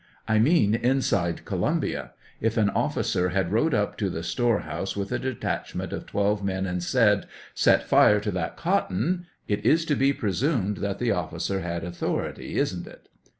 I mean inside Columbia ; if an officer had rode up to the store house with a detachment of twelve men and said, "Set fire to that cotton," it is to be presumed that the officer had aiithority, isn't it?